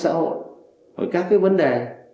xã hội với các cái vấn đề